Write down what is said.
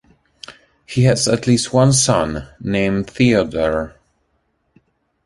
He has at least one son, named Théodore.